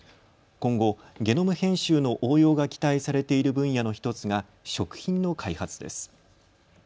今後、ゲノム編集の応用が期待されている分野の１つが食品の開発です。